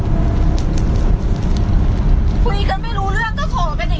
อยากมีรถไปทำงานอยากเข้าสังคมที่ดูดี